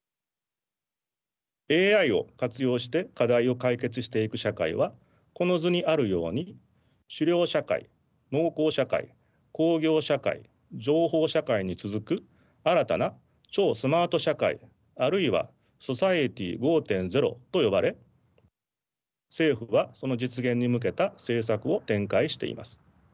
ＡＩを活用して課題を解決していく社会はこの図にあるように狩猟社会農耕社会工業社会情報社会に続く新たな超スマート社会あるいはＳｏｃｉｅｔｙ５．０と呼ばれ政府はその実現に向けた政策を展開しています。